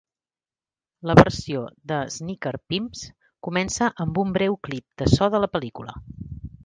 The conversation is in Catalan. La versió de Sneaker Pimps comença amb un breu clip de so de la pel·lícula.